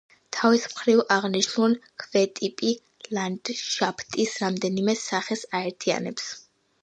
თავის მხრივ აღნიშნული ქვეტიპი ლანდშაფტის რამდენიმე სახეს აერთიანებს.